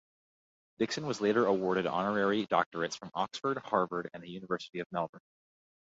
Dixon was later awarded honorary doctorates from Oxford, Harvard, and the University of Melbourne.